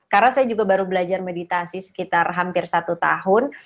karena saya juga baru belajar meditasi sekitar hampir satu tahun